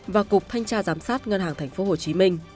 và cục thanh tra giám sát ngân hàng tp hcm